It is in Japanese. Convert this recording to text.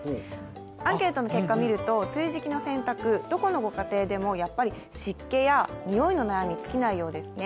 アンケートの結果を見ると梅雨時期の洗濯、どこのご家庭でも湿気や臭いの悩み、尽きないようですね。